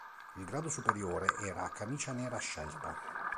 Il grado superiore era camicia nera scelta.